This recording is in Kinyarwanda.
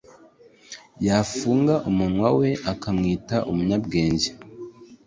yafunga umunwa we, bakamwita umunyabwenge